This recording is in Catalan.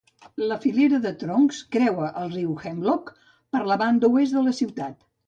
La filera de troncs creua el riu Hemlock per la banda oest de la ciutat.